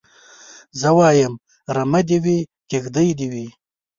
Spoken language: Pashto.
زه وايم رمه دي وي کيږدۍ دي وي